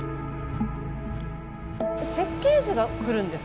設計図が来るんですか？